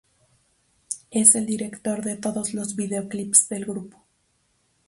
Es el director de todos los videoclips del grupo.